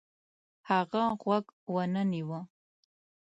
هغه غوږ ونه نیوه.